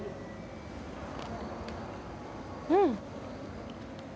うん。